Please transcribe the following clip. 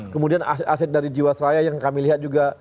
kemudian aset aset dari jiwasraya yang kami lihat juga